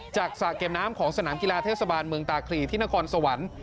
สระเก็บน้ำของสนามกีฬาเทศบาลเมืองตาคลีที่นครสวรรค์